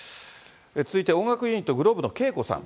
続いて、音楽ユニット、ｇｌｏｂｅのＫＥＩＫＯさん。